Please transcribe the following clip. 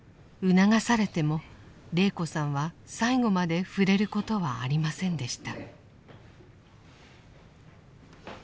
促されても禮子さんは最後まで触れることはありませんでした。